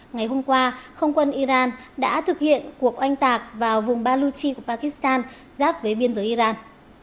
ngày hôm qua không quân iran đã thực hiện cuộc oanh tạc vào vùng baluchi của pakistan giáp với biên giới iran